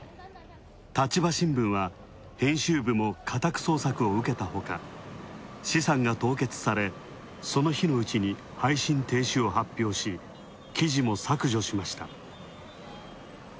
立場新聞は、編集部も家宅捜索を受けたほか資産が凍結され、その日のうちに配信停止を発表し、記事も削除しました。